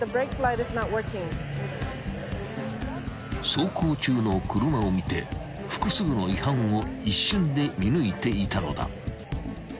［走行中の車を見て複数の違反を一瞬で見抜いていたのだ］